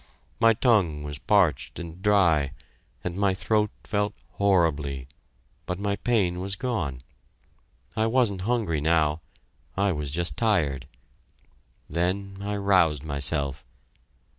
My tongue was parched and dry, and my throat felt horribly, but my pain was gone. I wasn't hungry now I was just tired. Then I roused myself.